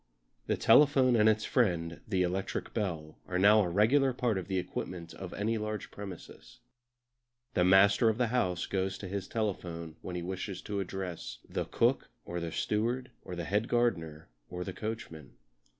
The telephone and its friend, the electric bell, are now a regular part of the equipment of any large premises. The master of the house goes to his telephone when he wishes to address the cook or the steward, or the head gardener or the coachman.